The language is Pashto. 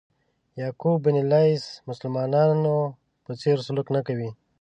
یعقوب بن لیث مسلمانانو په څېر سلوک نه کوي.